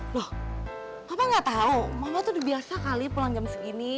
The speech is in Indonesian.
loh papa gak tau mama tuh udah biasa kali pulang jam segini